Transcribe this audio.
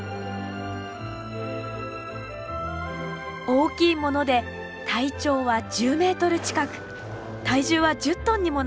大きいもので体長は１０メートル近く体重は１０トンにもなります。